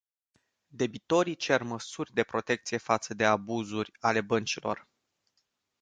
Debitorii cer măsuri de protecție față de abuzuri ale băncilor.